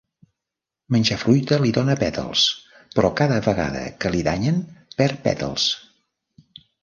Menjar fruita li dóna pètals però cada vegada que li danyen perd pètals.